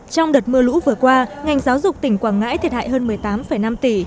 trong đợt mưa lũ vừa qua ngành giáo dục tỉnh quảng ngãi thiệt hại hơn một mươi tám năm tỷ